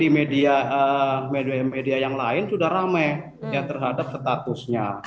media media yang lain sudah ramai ya terhadap statusnya